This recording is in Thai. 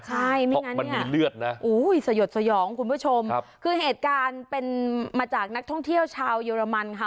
มันมีเลือดนะอุ้ยสยดสยองคุณผู้ชมครับคือเหตุการณ์เป็นมาจากนักท่องเที่ยวชาวเยอรมันค่ะ